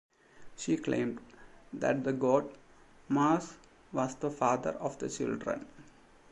She claimed that the god Mars was the father of the children.